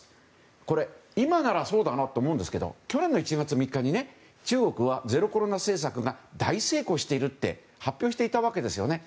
これ、今ならそうだなと思いますが去年の１月３日に中国はゼロコロナ政策が大成功しているって発表していたわけですよね。